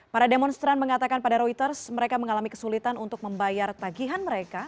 para demonstran mengatakan pada reuters mereka mengalami kesulitan untuk membayar tagihan mereka